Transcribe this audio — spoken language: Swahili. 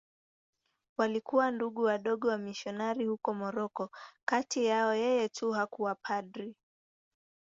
Walikuwa Ndugu Wadogo wamisionari huko Moroko.Kati yao yeye tu hakuwa padri.